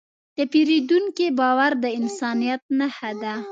د پیرودونکي باور د انسانیت نښه ده.